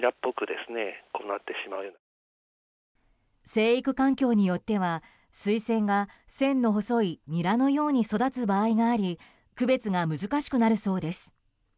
生育環境によってはスイセンが線の細いニラのように育つ場合があり区別が難しくなるそうです。